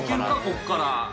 ここから。